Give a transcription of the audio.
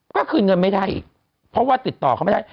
ก็คืนเงินไม่ได้อีกเพราะว่าติดต่อเขาไม่ได้